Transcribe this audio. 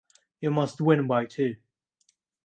You must win by two.